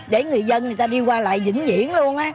để người dân người ta đi qua lại dĩ nhiễn luôn á